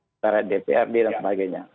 kantor kantor di dprd dan sebagainya